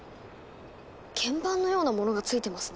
鍵盤のようなものがついてますね。